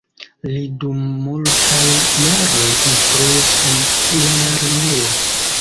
Li dum multaj jaroj instruis en lernejo.